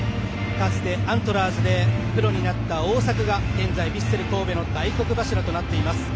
かつてアントラーズでプロになった大迫が現在、ヴィッセル神戸の大黒柱となっています。